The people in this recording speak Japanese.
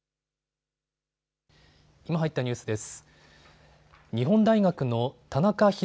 今入ったニュースです。